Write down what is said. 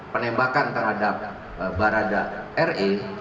penembakan terhadap barada re